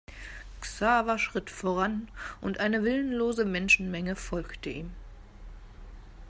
Xaver schritt voran und eine willenlose Menschenmenge folgte ihm.